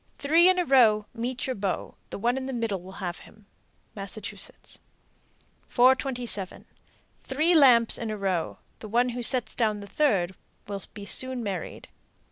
Three in a row, Meet your beau. The one in the middle will have him. Massachusetts. 427. Three lamps in a row, the one who sets down the third will be soon married.